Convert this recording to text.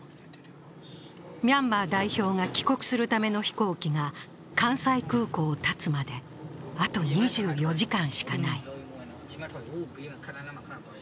ミャンマー代表が帰国するための飛行機が関西空港をたつまであと２４時間しかない。